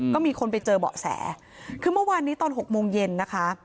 ก็มีคนไปเจอเบาะแสคือเมื่อวานนี้ตอน๖โมงเย็นนะคะ